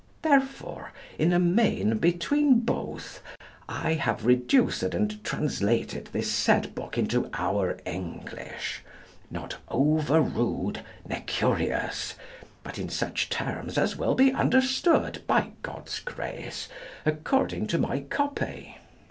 Therefore in a mean between both I have reduced and translated this said book into our English, not over rude ne curious; but in such terms as shall be understood, by God's grace, according to my copy.